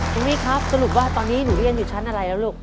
คุณวิทย์ครับสรุปว่าตอนนี้หนูเรียนอยู่ชั้นอะไรแล้วลูก